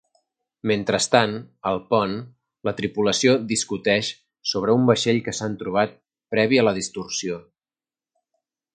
Mentrestant, al pont, la tripulació discuteix sobre un vaixell que s'han trobat previ a la distorsió.